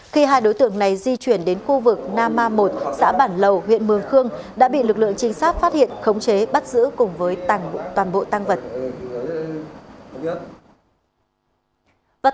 khi hai đối tượng này di chuyển đến khu vực na ma một xã bản lầu huyện mường khương đã bị lực lượng trinh sát phát hiện khống chế bắt giữ cùng với tàng toàn bộ tăng vật